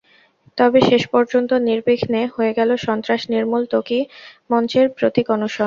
তবে শেষ পর্যন্ত নির্বিঘ্নে হয়ে গেল সন্ত্রাস নির্মূল ত্বকী মঞ্চের প্রতীক অনশন।